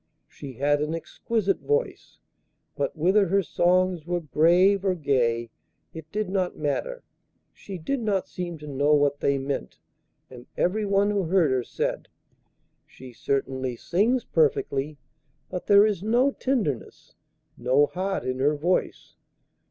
She had an exquisite voice, but whether her songs were grave or gay it did not matter, she did not seem to know what they meant; and everyone who heard her said: 'She certainly sings perfectly; but there is no tenderness, no heart in her voice.